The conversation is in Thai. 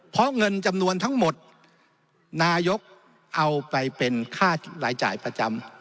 เพราะเงินจำนวนทั้งหมดนายกเอาไปเป็นค่ารายจ่ายประจำ